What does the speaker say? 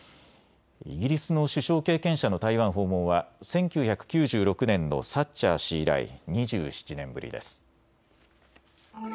イギリスの首相経験者の台湾訪問は１９９６年のサッチャー氏以来２７年ぶりです。